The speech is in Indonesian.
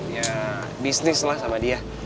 ya bisnis lah sama dia